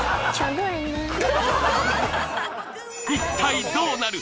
一体どうなる？